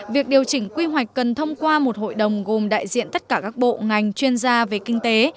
việc điều chỉnh quy hoạch cần thông qua một hội đồng gồm đại diện tất cả các bộ ngành chuyên gia về kinh tế